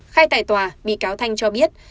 khai tài tòa bị cáo thanh cho biết